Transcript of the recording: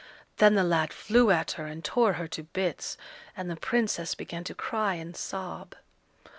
Then the lad flew at her and tore her to bits, and the Princess began to cry and sob.